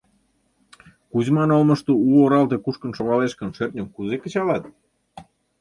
Кузьман олмышто у оралте кушкын шогалеш гын, шӧртньым кузе кычалат?